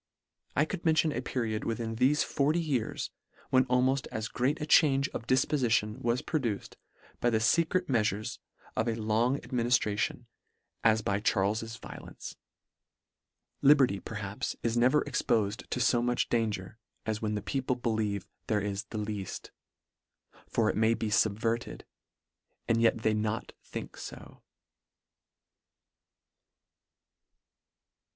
I could mention a period within thefe forty years, when almoft as great a change of difpofition was produced by the fecret meafures of a long adminiftration, as by LETTER XI. 127 Charles's violence. Liberty, perhaps, is ne ver expofed to fo much danger, as when the people believe there is the leaft ; for it may be fubverted, and yet they not think fo.